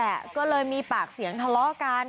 กับเขาเข้ามาก็เลยมีปากเสียงทะเลาะกัน